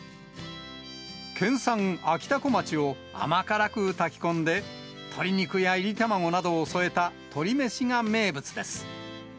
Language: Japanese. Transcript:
県産あきたこまちを甘辛く炊き込んで、鶏肉やいり卵などを添えた鶏めしが名物です。